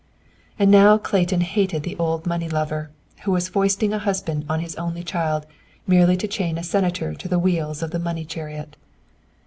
And now Clayton hated the old money lover who was foisting a husband on his only child merely to chain a Senator to the wheels of the money chariot.